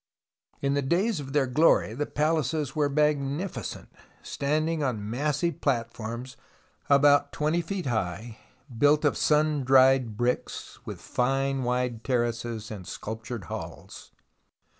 In the days of their glory the palaces were magni 136 THE ROMANCE OF EXCAVATION ficent, standing on massive platforms about 20 feet high, built of sun dried bricks, with fine wide terraces and sculptured halls.